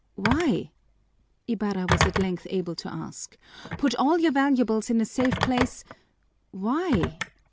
"Why?" Ibarra was at length able to ask. "Put all your valuables in a safe place " "Why?"